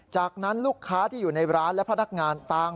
จากนั้นลูกค้าที่อยู่ในร้านและพนักงานต่าง